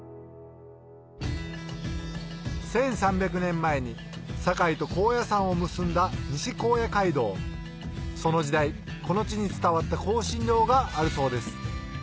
１３００年前に堺と高野山を結んだその時代この地に伝わった香辛料があるそうです